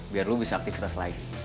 biar lu bisa aktivitas lain